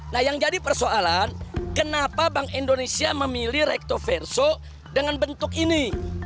nah yang jadi persoalan kenapa bank indonesia memilih rektoverso dengan bentuk ini